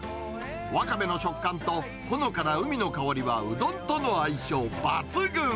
ワカメの食感とほのかな海の香りは、うどんとの相性抜群。